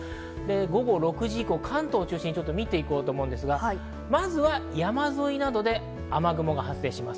午後６時以降、関東を中心に見ていきますが、まずは山沿いなどで雨雲が発生します。